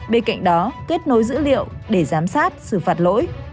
bên cạnh đó kết nối dữ liệu để giám sát xử phạt lỗi